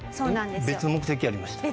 別の目的ありました。